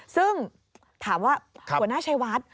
ซึ่งถามว่าหัวหน้าชัยวัด